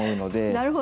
なるほど。